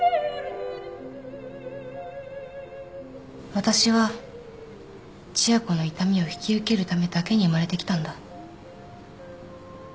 私は千夜子の痛みを引き受けるためだけに生まれてきたんだ。